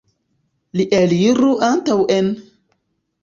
Li eliru antaŭen!